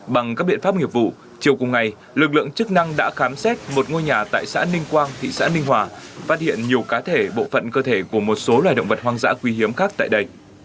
bằng các biện pháp nghiệp vụ chiều cùng ngày lực lượng chức năng đã khám xét một ngôi nhà tại xã ninh quang thị xã ninh hòa phát hiện nhiều cá thể bộ phận cơ thể của một số loài động vật hoang dã quý hiếm khác tại đây